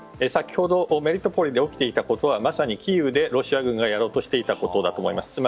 先ほどメリトポリで起きていたことはまさにキーウでロシア軍がやろうとしていたことだと思います。